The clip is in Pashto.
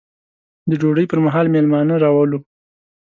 د ډوډۍ پر مهال مېلمانه راولو.